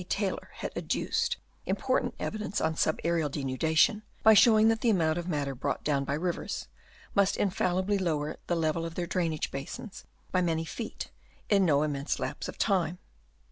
Tylor had adduced important evidence on sub aerial denudation, by showing that the amount of matter brought down by rivers must infallibly lower the level of their drainage basins by many feet in no immense lapse of time.